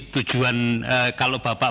tujuan kalau bapak